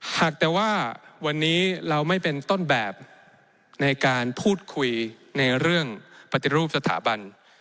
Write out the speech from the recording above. หากแต่ว่าวันนี้เราไม่เป็นต้นแบบในการพูดคุยในเรื่องปฏิรูปสถาบัน